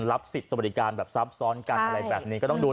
รับสิทธิ์สวัสดิการแบบซับซ้อนกันอะไรแบบนี้ก็ต้องดู